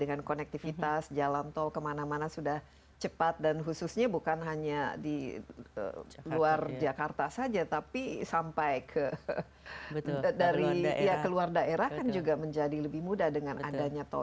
dengan konektivitas jalan tol kemana mana sudah cepat dan khususnya bukan hanya di luar jakarta saja tapi sampai ke luar daerah kan juga menjadi lebih mudah dengan adanya tol